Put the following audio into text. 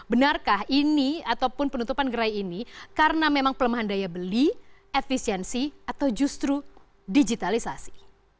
benarkah ini ataupun penutupan gerai ini karena memang pelemahan daya beli efisiensi atau justru digitalisasi